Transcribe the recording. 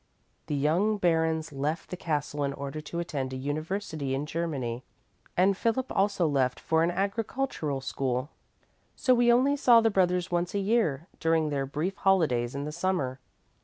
The young barons left the castle in order to attend a university in Germany, and Philip also left for an agricultural school. So we only saw the brothers once a year, during their brief holidays in the summer.